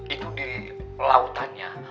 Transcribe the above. itu di lautannya